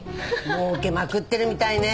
儲けまくってるみたいね。